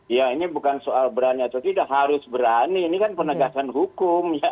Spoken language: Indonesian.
ya ini bukan soal berani atau tidak harus berani ini kan penegakan hukum